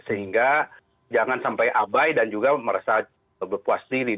sehingga jangan sampai abai dan juga merasa berpuas diri